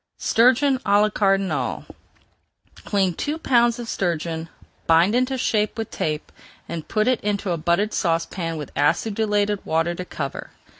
STURGEON À LA CARDINAL Clean two pounds of sturgeon, bind into shape with tape, and put it into a buttered saucepan with acidulated water to cover.